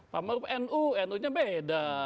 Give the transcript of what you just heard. pak ma'ruf nu nu nya beda